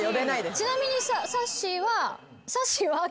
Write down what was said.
ちなみにさっしーは。